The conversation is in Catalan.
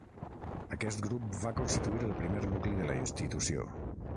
Aquest grup va constituir el primer nucli de la institució.